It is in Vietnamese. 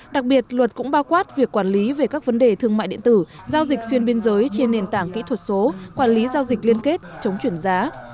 đặc biệt luật cũng bao quát việc quản lý về các vấn đề thương mại điện tử giao dịch xuyên biên giới trên nền tảng kỹ thuật số quản lý giao dịch liên kết chống chuyển giá